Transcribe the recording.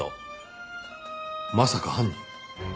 まさか犯人？